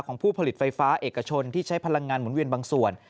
ผู้ผลิตไฟฟ้าเอกชนที่ใช้พลังงานหมุนเวียนบางส่วน